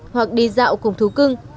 hoặc đi dạo cùng thú cưng